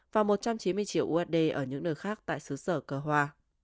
và một trăm chín mươi triệu usd ở những nơi khác tại xứ sở cờ hoa